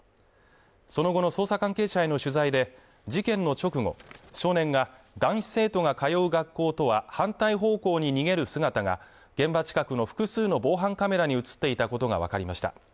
その後の捜査関係者への取材で事件の直後少年が男子生徒が通う学校とは反対方向に逃げる姿が現場近くの複数の防犯カメラに映っていたことが分かりました